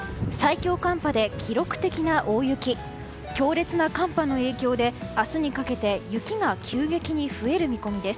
強烈な寒波の影響で明日にかけて雪が急激に増える見込みです。